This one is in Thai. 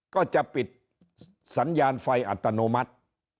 ก็จะปิดสัญญาณไฟอัตโนมัติ